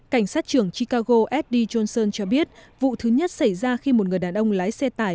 cảnh sát trưởng chicago eddy johnson cho biết vụ thứ nhất xảy ra khi một người đàn ông lái xe tải